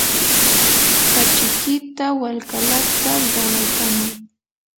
kachikita walkalata qaraykamay.